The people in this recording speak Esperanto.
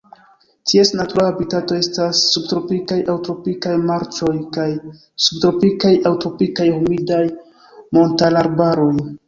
Ties natura habitato estas subtropikaj aŭ tropikaj marĉoj kaj subtropikaj aŭ tropikaj humidaj montararbaroj.